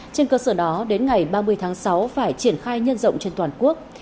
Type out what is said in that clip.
trên cơ sở đó đến ngày ba mươi tháng sáu phải triển khai nhân rộng trên toàn quốc